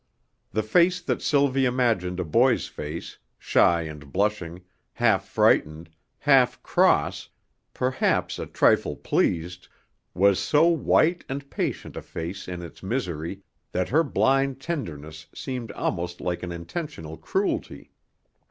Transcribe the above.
The face that Sylvie imagined a boy's face, shy and blushing, half frightened, half cross, perhaps a trifle pleased, was so white and patient a face in its misery that her blind tenderness seemed almost like an intentional cruelty.